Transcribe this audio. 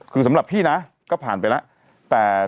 คือสำหรับพี่นะก็ผ่านไปแล้ว